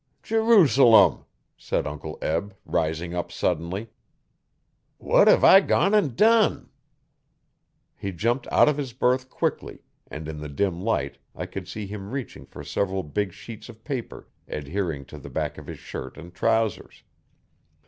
'Jerusalem!' said Uncle Eb, rising up suddenly, 'what hev I gone an' done?' He jumped out of his berth quickly and in the dim light I could see him reaching for several big sheets of paper adhering to the back of his shirt and trousers.